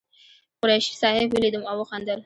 قریشي صاحب ولیدم او وخندل.